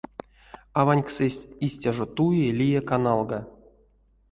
Аваньксэсь истя жо туи лия каналга.